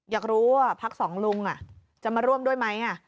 อยากรู้ว่าพักสองลุงจะมาร่วมด้วยไหม